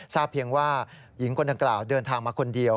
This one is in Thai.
เพียงว่าหญิงคนดังกล่าวเดินทางมาคนเดียว